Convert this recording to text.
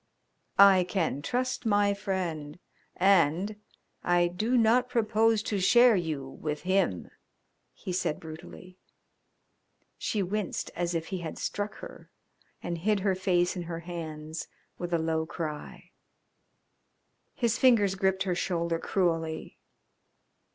"I can trust my friend, and I do not propose to share you with him," he said brutally. She winced as if he had struck her, and hid her face in her hands with a low cry. His fingers gripped her shoulder cruelly.